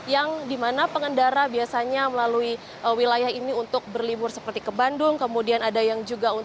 yang di mana pengendara biasanya melalui wilayah ini untuk berlibur seperti ke bandung